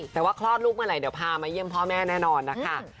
แต่ว่าคลอดลูกเมื่อไหร่เดี๋ยวพามาเยี่ยมพ่อแม่แน่นอนนะคะ